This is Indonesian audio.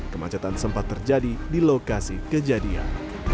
kemacetan sempat terjadi di lokasi kejadian